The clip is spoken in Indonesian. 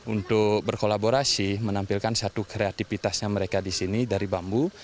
untuk berkolaborasi menampilkan satu kreativitasnya mereka di sini dari bambu